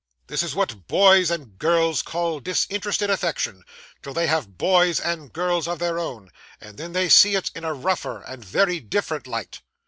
'This is what boys and girls call disinterested affection, till they have boys and girls of their own, and then they see it in a rougher and very different light!